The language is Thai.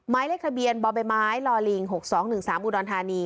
ไม้เลขทะเบียนบอบแบบไม้ลอลิงหกสองหนึ่งสามอุดรธานี